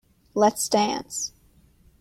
Let's dance.